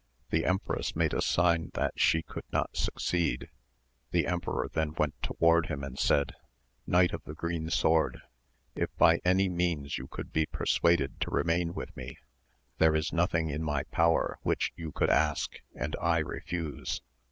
The empress made a sign that she could not succeed, the emperor then went toward him and said, Knight of the Green Sword, if by any means you could be persuaded to remain with me, there is nothing in my power which you could ask and I re fuse.